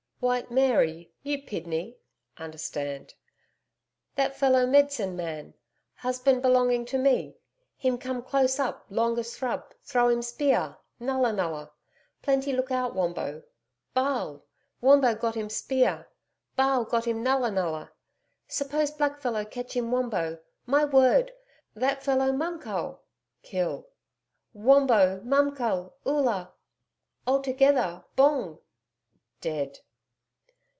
'White Mary you PIDNEY (understand). That fellow medsin man husband belonging to me. Him come close up long a srub throw 'im spear, NULLA NULLA plenty look out Wombo. BA'AL, Wombo got 'im spear ba'al got 'im NULLA NULLA. Suppose black fellow catch 'im Wombo my word! that fellow MUMKULL (kill). Wombo mumkull Oola altogether BONG (dead).